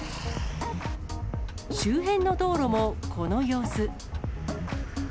周辺の道路もこの様子。